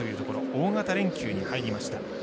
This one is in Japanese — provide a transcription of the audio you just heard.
大型連休に入りました。